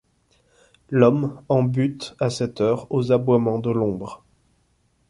L’homme, en butte à cette heure aux aboiements de l’ombre